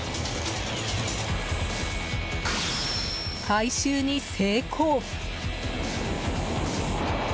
回収に成功。